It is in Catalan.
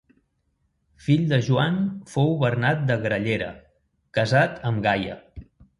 Fill de Joan fou Bernat de Grallera, casat amb Gaia.